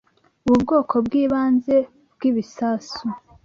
Ubu bwoko bwibanze bwibisasu